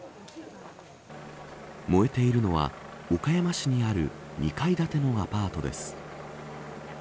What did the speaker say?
燃えているのは岡山市にある２階建てのアパートです。